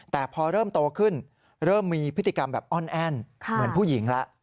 แต่พอเริ่มโตขึ้นเริ่มมีพฤติกรรมแบบอ้อนแอ้นเหมือนผู้หญิงแล้ว